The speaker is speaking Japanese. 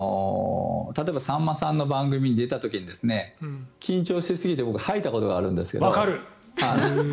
わかりやすく言うと、例えばさんまさんの番組に出た時に緊張しすぎて僕、吐いたことがあるんですけど。